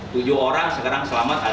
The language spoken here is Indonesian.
tujuh orang sekarang selamat ada di